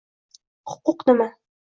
Huquq nima?